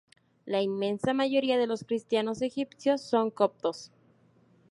La inmensa mayoría de los cristianos egipcios son coptos.